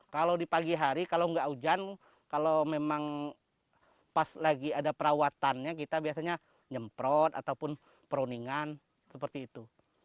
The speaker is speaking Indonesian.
kalau di pagi hari kalau nggak hujan kalau memang pas lagi ada perawatannya kita biasanya nyemprot ataupun peruningan seperti itu